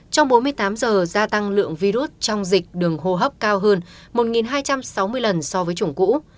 trong bốn mươi tám giờ gia tăng lượng virus trong dịch đường hô hấp cao hơn một hai trăm sáu mươi lần so với chủng cũ